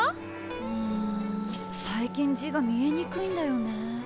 ん最近字が見えにくいんだよね。